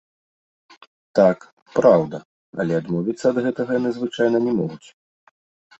Так, праўда, але адмовіцца ад гэтага яны звычайна не могуць.